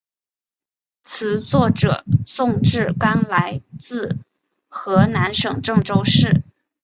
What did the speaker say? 词作者宋志刚来自河南省郑州市。